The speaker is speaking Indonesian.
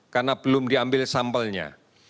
karena belum diambil sampelnya